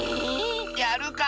やるか！